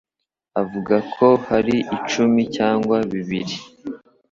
Avuga ko hari icumi cyangwa bibiri.